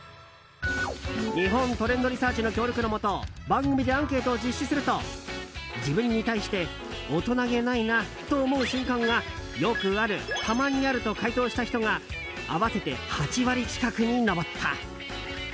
日本トレンドリサーチの協力のもと番組でアンケートを実施すると自分に対して大人げないなと思う瞬間がよくある、たまにあると回答した人が合わせて８割近くに上った。